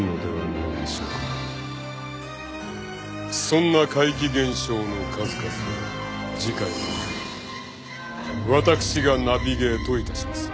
そんな怪奇現象の数々を次回は私がナビゲートいたします。